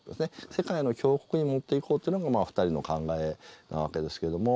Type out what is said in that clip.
世界の強国にもっていこうっていうのが２人の考えなわけですけども。